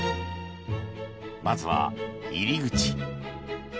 まずは入口。